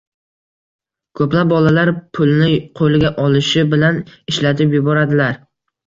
Ko‘plab bolalar pulni qo‘liga olishi bilan ishlatib yuboradilar.